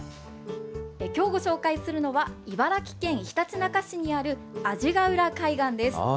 きょうご紹介するのは、茨城県ひたちなか市にある阿字ヶ浦海岸です。